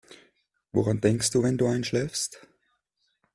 Woran denkst du, wenn du einschläfst?